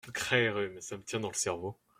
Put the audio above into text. Cré rhume !… ça me tient dans le cerveau !